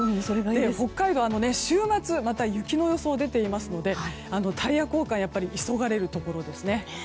北海道、週末また雪の予想が出ていますのでタイヤ交換が急がれるところですね。